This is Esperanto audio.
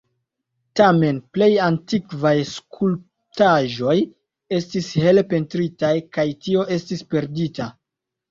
Tamen, plej antikvaj skulptaĵoj estis hele pentritaj, kaj tio estis perdita.